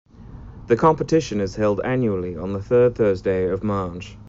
The competition is held annually on the third Thursday of March.